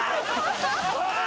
おい！